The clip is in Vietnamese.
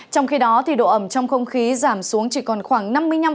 trong khi đó độ ẩm trong không khí giảm xuống chỉ còn khoảng năm mươi năm